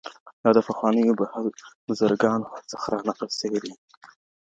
دا د پخوانيو بزرګانو څخه را نقل سوی دی.